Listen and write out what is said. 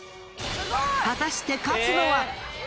果たして勝つのは？